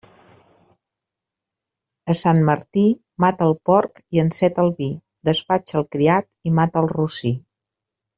A Sant Martí, mata el porc i enceta el vi, despatxa el criat i mata el rossí.